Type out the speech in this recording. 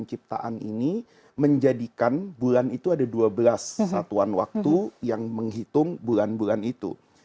penciptaan ini menjadikan bulan itu ada dua belas satuan waktu yang menghitung bulan bulan itu